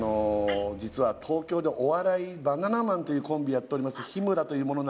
実は東京でお笑いバナナマンというコンビやっております